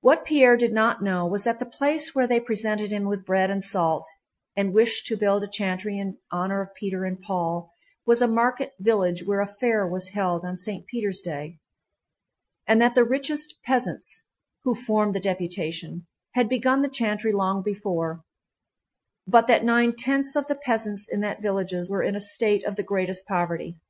What Pierre did not know was that the place where they presented him with bread and salt and wished to build a chantry in honor of Peter and Paul was a market village where a fair was held on St. Peter's day, and that the richest peasants (who formed the deputation) had begun the chantry long before, but that nine tenths of the peasants in that villages were in a state of the greatest poverty.